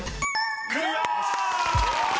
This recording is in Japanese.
［クリア！］